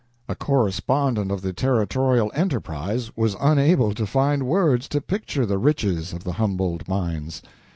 A correspondent of the "Territorial Enterprise" was unable to find words to picture the riches of the Humboldt mines.